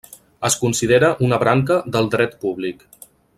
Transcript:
Es considera una branca del Dret públic.